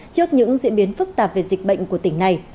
trước những diễn biến phức tạp về dịch bệnh của tỉnh này